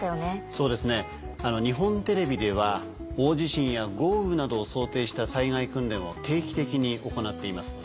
そうですね日本テレビでは大地震や豪雨などを想定した災害訓練を定期的に行っています。